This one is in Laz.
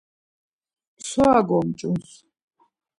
Msora gomç̌uns.